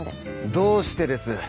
どうしてです？